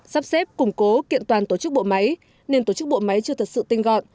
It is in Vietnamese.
sắp xếp củng cố kiện toàn tổ chức bộ máy nên tổ chức bộ máy chưa thật sự tinh gọn